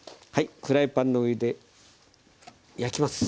フライパンの上で焼きます。